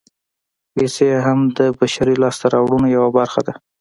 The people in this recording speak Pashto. پیسې هم د بشري لاسته راوړنو یوه برخه ده